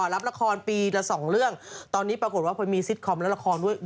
รับละครปีละสองเรื่องตอนนี้ปรากฏว่าพอมีซิตคอมและละครด้วย